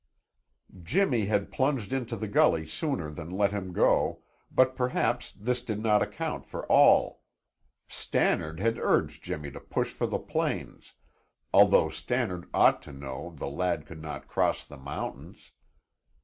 Jimmy had plunged into the gully sooner than let him go, but perhaps this did not account for all. Stannard had urged Jimmy to push for the plains, although Stannard ought to know the lad could not cross the mountains.